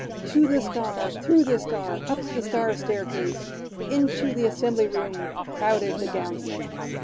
To the " Star," through the " Star," Up the " Star " staircase — Into the Assembly Room, Crowded the Gownsmen.